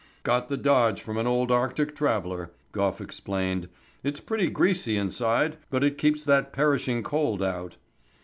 "Got the dodge from an old Arctic traveller," Gough explained. "It's pretty greasy inside, but it keeps that perishing cold out."